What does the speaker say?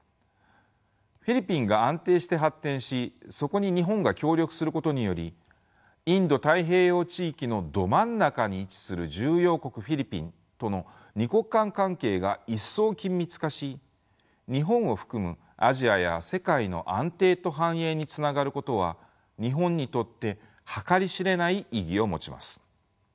フィリピンが安定して発展しそこに日本が協力することによりインド太平洋地域のど真ん中に位置する重要国フィリピンとの二国間関係が一層緊密化し日本を含むアジアや世界の安定と繁栄につながることは日本にとって計り知れない意義を持ちます。